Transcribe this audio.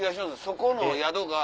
そこの宿が。